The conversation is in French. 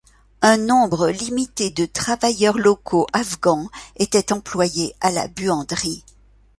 Un nombre limité de travailleurs locaux afghans étaient employés à la buanderie.